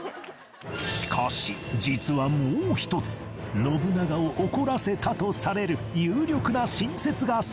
しかし実はもう一つ信長を怒らせたとされる有力な新説が存在する